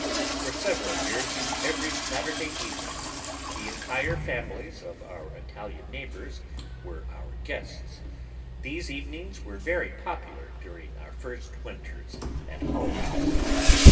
For several years, every Saturday evening the entire families of our Italian neighbors were our guests. These evenings were very popular during our first winters at Hull House.